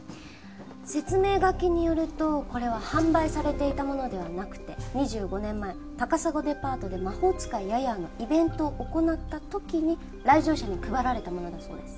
説明書きによるとこれは販売されていたものではなくて２５年前高砂デパートで『魔法使いヤヤー』のイベントを行った時に来場者に配られたものだそうです。